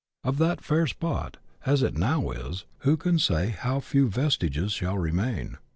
Of that fair spot, as it now is, who can say how few vestiges shall remain